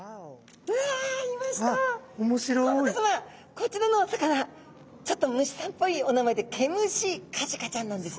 こちらのお魚ちょっと虫さんっぽいお名前でケムシカジカちゃんなんです。